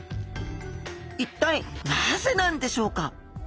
一体なぜなんでしょうか？